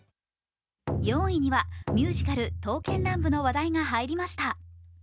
４位にはミュージカル「刀剣乱舞」の話題が入りました。